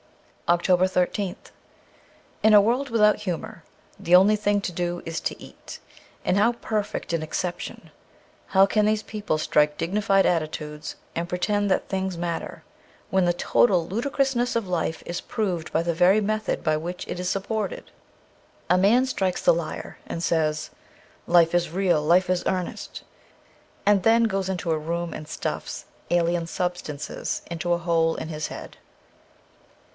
318 OCTOBER 13th IN a world without humour, the only thing to do is to eat. And how perfect an excep tion ! How can these people strike dignified attitudes, and pretend that things matter, when the total ludicrousness of life is proved by the very method by which it is supported ? A man strikes the lyre, and says, * Life is real, life is earnest,' and then goes into a room and stuffs alien sub stances into a hole in his head.